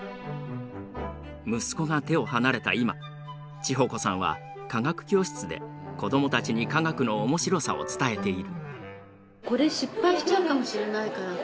息子が手を離れた今智穂子さんは科学教室で子どもたちに科学の面白さを伝えている。